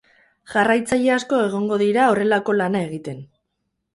Jarraitzaile asko egongo dira horrelako lana egiten.